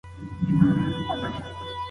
کله چي احمد راغلی، موږ ټوله په ډوډۍ ناست وو.